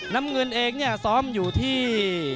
น้ำเงินเองเนี่ยซ้อมอยู่ที่